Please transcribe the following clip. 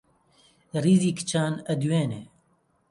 ڕیزی کچان ئەدوێنێ